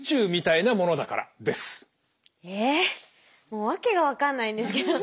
もう訳が分かんないんですけど。